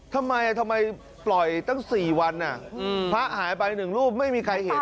ทำไมทำไมปล่อยตั้ง๔วันพระหายไป๑รูปไม่มีใครเห็น